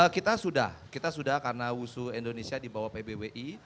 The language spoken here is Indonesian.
kita sudah kita sudah karena wusu indonesia di bawah pbwi